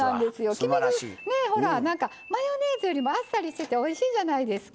黄身酢、マヨネーズよりもあっさりしてておいしいじゃないですか。